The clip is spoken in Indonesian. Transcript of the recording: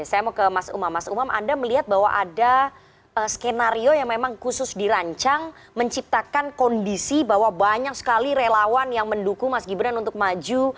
saya mau ke mas umam mas umam anda melihat bahwa ada skenario yang memang khusus dirancang menciptakan kondisi bahwa banyak sekali relawan yang mendukung mas gibran untuk maju